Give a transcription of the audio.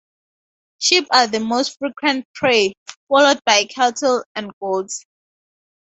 Sheep are the most frequent prey, followed by cattle and goats.